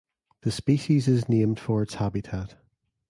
The species is named for its habitat.